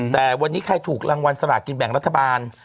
แต่วันนี้ใครถูกรางวัลสลากินแบ่งรัฐบาล